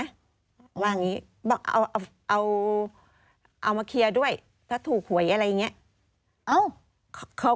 ว่าอย่างนี้เอามาเคลียร์ด้วยถ้าถูกหวยอะไรอย่างนี้